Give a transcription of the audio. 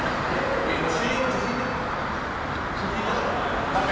いや、ＣＭ中弾いてた。